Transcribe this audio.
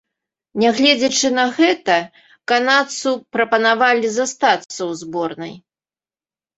Нягледзячы на гэта, канадцу прапанавалі застацца ў зборнай.